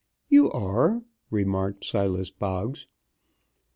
"You are," remarked Silas Boggs.